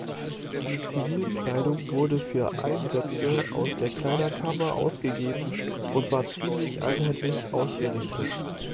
Die Zivilkleidung wurde für Einsätze aus der Kleiderkammer ausgegeben und war ziemlich einheitlich ausgerichtet.